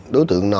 đối tượng nào